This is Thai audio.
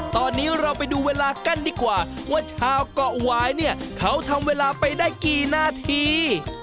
ตอนนี้เราไปดูเวลากันดีกว่าว่าชาวเกาะหวายเนี่ยเขาทำเวลาไปได้กี่นาที